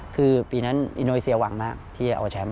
คือปีนั้นอินโดนีเซียหวังมากที่จะเอาแชมป์